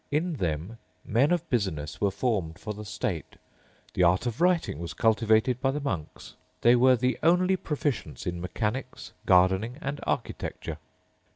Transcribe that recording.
In them men of business were formed for the state: the art of writing was cultivated by the monks; they were the only proficients in mechanics, gardening, and architecture.